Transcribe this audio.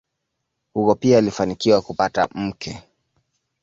Huko pia alifanikiwa kupata mke.